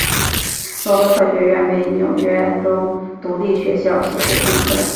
罗伯特学院被纽约州独立学校协会认证。